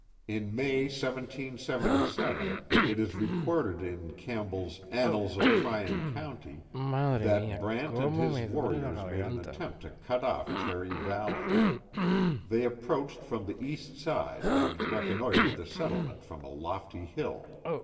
In May, 1777. it is recorded in Campbell's Annals of Tryoa County, that Brant and his warriors made an attempt to cut of! Cherry Valley. They approached from the east side and recon noitered the settlement from a lofty hill.